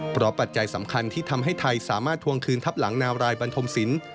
เพราะปัจจัยสำคัญที่ทำให้ไทยสามารถทวงคืนทับหลังนาวรายบันทมศิลป์